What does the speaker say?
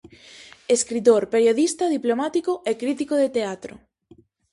Escritor, periodista, diplomático e crítico de teatro.